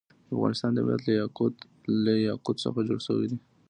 د افغانستان طبیعت له یاقوت څخه جوړ شوی دی.